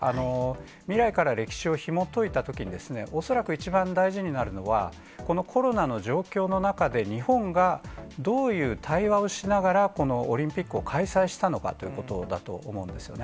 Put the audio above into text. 未来から歴史をひもといたときに、恐らく一番大事になるのは、このコロナの状況の中で、日本がどういう対話をしながら、このオリンピックを開催したのかということだと思うんですね。